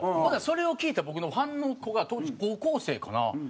ほんならそれを聞いた僕のファンの子が当時高校生かな？